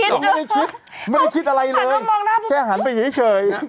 ไม่ได้คิดไม่ได้คิดอะไรเลยแค่หันไปอย่างเงี้ยเฉย